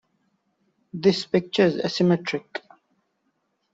This picture is asymmetric.